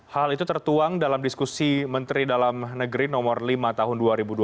hal itu tertuang dalam diskusi menteri dalam negeri nomor lima tahun dua ribu dua puluh